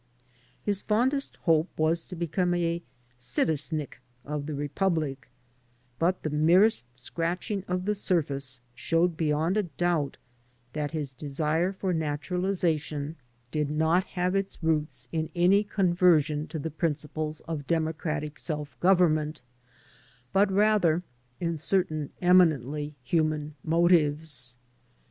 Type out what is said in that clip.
His fondest hope was to become a "citisnik" of the Republic, but the merest scratching of the surface showed beyond a doubt that his desire for naturalization 84 HOW DO YOU LIKE AMERICA?'* did not have its roots in any conversion to the principles of democratic self government, but rather in certain eminently human motives.